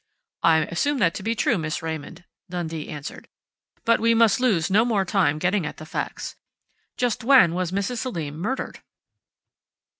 "I assume that to be true, Miss Raymond," Dundee answered. "But we must lose no more time getting at the facts. Just when was Mrs. Selim murdered?"